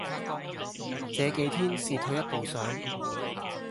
這幾天是退一步想：